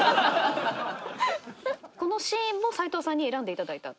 このシーンも斉藤さんに選んでいただいた？